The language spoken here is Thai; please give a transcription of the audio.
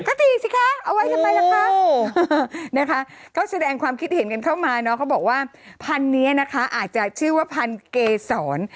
ก็ตีสิคะเอาไว้ทำไมล่ะคะนะคะก็แสดงความคิดเห็นกันเข้ามาเนอะเขาบอกว่าพันธุ์นี้นะคะอาจจะชื่อว่าพันเกษร